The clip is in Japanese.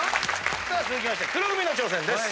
続きまして黒組の挑戦です。